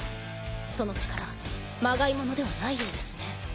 その力まがいものではないようですね。